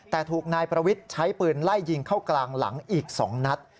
แต่ถูกนายประวิทย์ใช้ปืนไล่ยิงเข้ากลางหลังอีก๒นัด